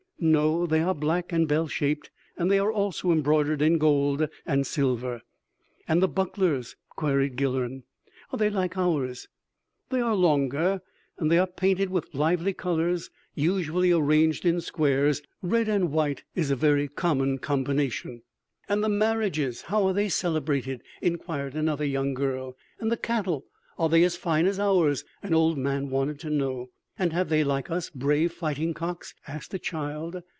"No; they are black and bell shaped, and they are also embroidered in gold and silver." "And the bucklers?" queried Guilhern. "Are they like ours?" "They are longer, and they are painted with lively colors, usually arranged in squares. Red and white is a very common combination." "And the marriages, how are they celebrated?" inquired another young girl. "And the cattle, are they as fine as ours?" an old man wanted to know. "And have they like us brave fighting cocks?" asked a child.